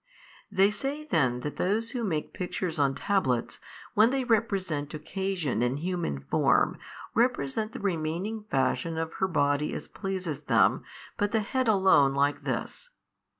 They say then that those who make pictures on tablets, when they represent occasion in human form, represent the remaining fashion of her body as pleases them, but the head alone like this.